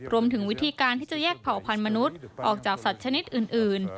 รวมถึงวิธีการที่จะแยกเผ่าพันธุ์มนุษย์ออกจากสัตว์ชนิดอื่น